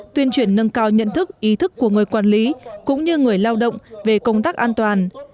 tuyên truyền nâng cao nhận thức ý thức của người quản lý cũng như người lao động về công tác an toàn